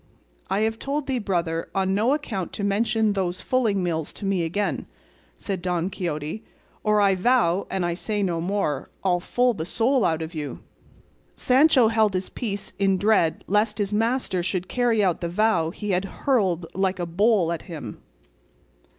"I have told thee, brother, on no account to mention those fulling mills to me again," said Don Quixote, "or I vow and I say no more I'll full the soul out of you." Sancho held his peace in dread lest his master should carry out the vow he had hurled like a bowl at him.